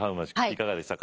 いかがでしたか？